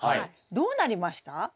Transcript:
どうなりました？